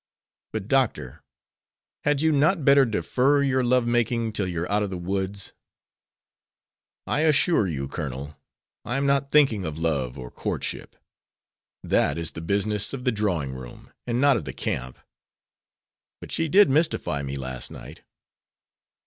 But, Doctor, had you not better defer your love making till you're out of the woods?" "I assure you, Colonel, I am not thinking of love or courtship. That is the business of the drawing room, and not of the camp. But she did mystify me last night."